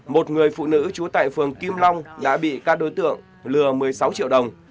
một người phụ nữ trú tại phường kim long đã bị các đối tượng lừa một mươi sáu triệu đồng